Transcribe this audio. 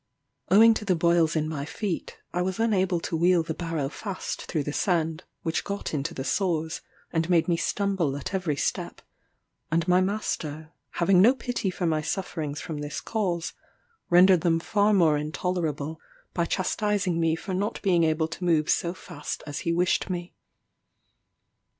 Owing to the boils in my feet, I was unable to wheel the barrow fast through the sand, which got into the sores, and made me stumble at every step; and my master, having no pity for my sufferings from this cause, rendered them far more intolerable, by chastising me for not being able to move so fast as he wished me.